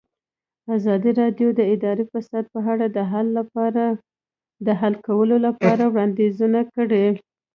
ازادي راډیو د اداري فساد په اړه د حل کولو لپاره وړاندیزونه کړي.